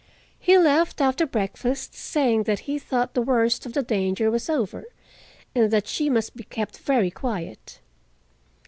He left after breakfast, saying that he thought the worst of the danger was over, and that she must be kept very quiet.